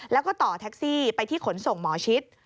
แล้วก็ต่อแท็กซี่ไปที่ขนส่งหมอชิด